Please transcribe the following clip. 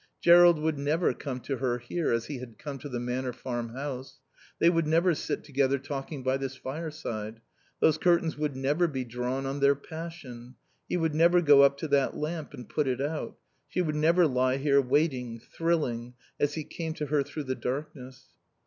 Jerrold would never come to her here as he had come to the Manor Farm house; they would never sit together talking by this fireside; those curtains would never be drawn on their passion; he would never go up to that lamp and put it out; she would never lie here waiting, thrilling, as he came to her through the darkness.